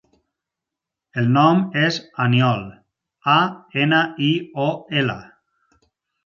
El nom és Aniol: a, ena, i, o, ela.